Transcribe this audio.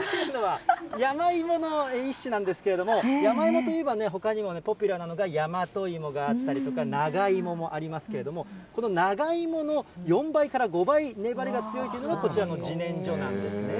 山芋の一種なんですけど、山芋といえば、ほかにもポピュラーなのが大和芋があったりとか、長芋もありますけれども、この長芋の４倍から５倍ほど粘りが強いというのがこちらのじねんじょなんですね。